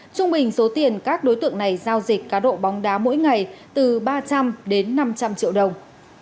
trung bình số tiền các đối tượng này giao dịch cá độ bóng đá mỗi ngày từ ba trăm linh đến năm trăm linh triệu đồng